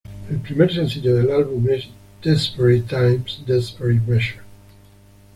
El primer sencillo del álbum es "Desperate Times, Desperate Measures".